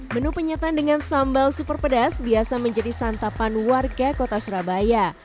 menu penyatan dengan sambal super pedas biasa menjadi santapan warga kota surabaya